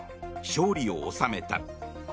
勝利を収めた。